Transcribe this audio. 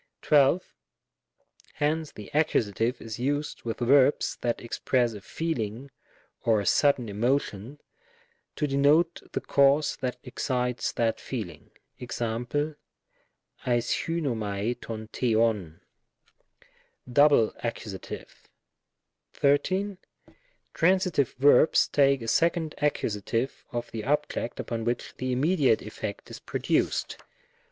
12. Hence the Accus. is used with verbs that ex press a feeling or a sudden emotion, to denote the cause that excites that feeling. Ex.^ aioxvvoftac tov d^tov. DOUBLE ACCUSATrVE. 13. Transitive verbs take a second accusative of the object upon which the immediate effect is produced §117. DATIVE.